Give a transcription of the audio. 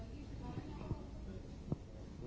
ada yang ingin dikatakan